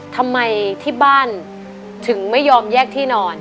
ทำไมที่บ้านถึงไม่ยอมแยกที่นอน